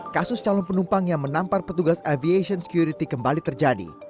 kasus calon penumpang yang menampar petugas aviation security kembali terjadi